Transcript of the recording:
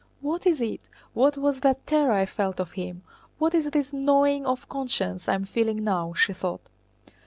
"What is it? What was that terror I felt of him? What is this gnawing of conscience I am feeling now?" she thought.